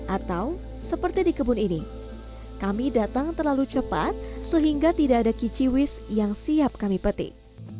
atau seperti di kebun ini kami datang terlalu cepat sehingga tidak ada kiciwis yang siap kami petik